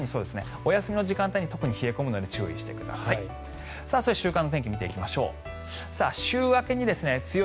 お休みの時間帯に特に冷え込むのでご注意ください。